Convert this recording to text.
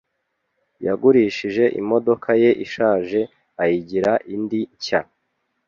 Yagurishije imodoka ye ishaje ayigira indi nshya.